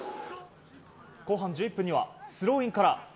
後半１１分にはスローインから。